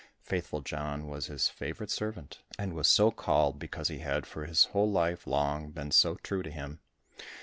Faithful John was his favourite servant, and was so called, because he had for his whole life long been so true to him.